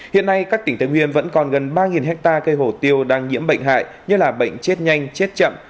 hiện nay các tỉnh tây nguyên vẫn còn gần ba hectare cây hổ tiêu đang nhiễm bệnh hại như là bệnh chết nhanh chết chậm